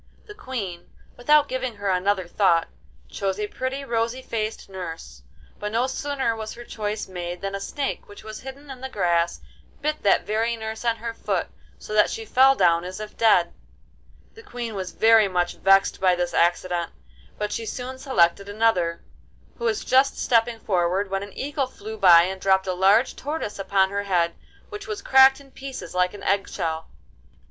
The Queen, without giving her another thought, chose a pretty rosy faced nurse, but no sooner was her choice made than a snake, which was hidden in the grass, bit that very nurse on her foot, so that she fell down as if dead. The Queen was very much vexed by this accident, but she soon selected another, who was just stepping forward when an eagle flew by and dropped a large tortoise upon her head, which was cracked in pieces like an egg shell.